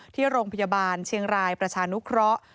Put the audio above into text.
ที่โรงพยาบาลเชียงรายประชานุเคราะห์